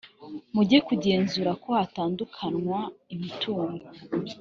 muge kugenzura ko hatandukanywa imitungo